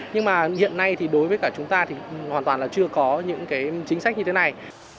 nhưng mà hiện nay thì đối với cả chúng ta thì hoàn toàn là chưa có những cái chính sách như thế này